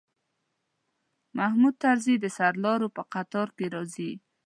محمود طرزی د سرلارو په قطار کې راځي.